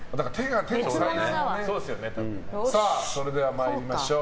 それでは参りましょう。